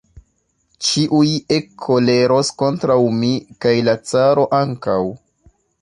Ĉiuj ekkoleros kontraŭ mi kaj la caro ankaŭ!